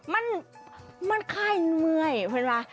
มันมันค่ายเมื่อยเห็นป่ะ